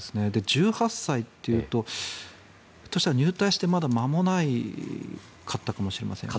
１８歳というとひょっとしたら入隊してまだ間もなかったかもしれませんね。